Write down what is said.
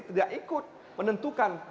tidak ikut menentukan